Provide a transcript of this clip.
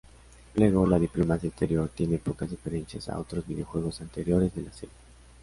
Luego, la diplomacia exterior tiene pocas diferencias a otros videojuegos anteriores de la serie.